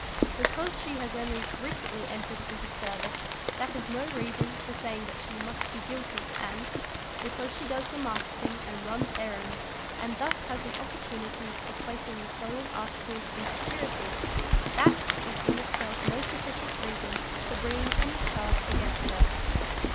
Because she has only recently entered into service that is no reason for saying that she must be guilty and, because she does the marketing and runs errands and thus has an opportunity of placing the stolen articles in security, that is in itself no sufficient reason for bringing any charge against her.